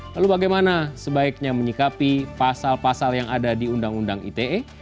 lalu bagaimana sebaiknya menyikapi pasal pasal yang ada di undang undang ite